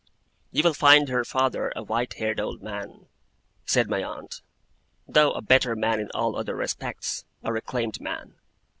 'You will find her father a white haired old man,' said my aunt, 'though a better man in all other respects a reclaimed man.